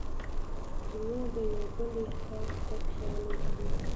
زړونه د یو بل احساس درک کولی شي.